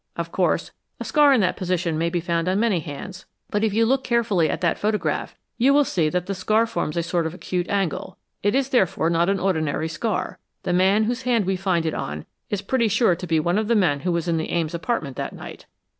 Of course, a scar in that position might be found on many hands, but if you look carefully at that photograph you will see that the scar forms a sort of acute angle. It is, therefore, not an ordinary scar. The man whose hand we find it on is pretty sure to be one of the men who was in the Ames apartment that night."